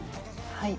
はい。